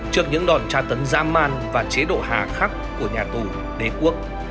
trước những đòn tra tấn dã man và chế độ hạ khắc của nhà tù đế quốc